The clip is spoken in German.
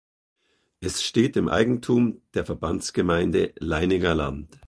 Es steht im Eigentum der Verbandsgemeinde Leiningerland.